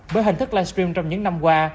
bởi hình thức live stream trong những năm qua